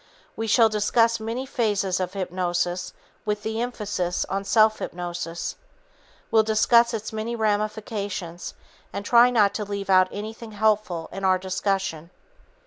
We shall discuss many phases of hypnosis with the emphasis on self hypnosis. We'll discuss its many ramifications and try not to leave out anything helpful in our discussion.